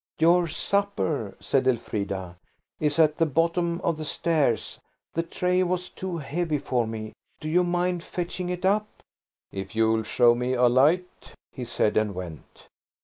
"Your supper," said Elfrida, "is at the bottom of the stairs. The tray was too heavy for me. Do you mind fetching it up?" "If you'll show me a light," he said, and went.